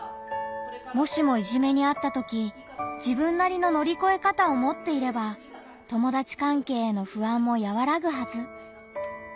もしもいじめにあったとき自分なりの乗り越え方を持っていれば友達関係への不安もやわらぐはず。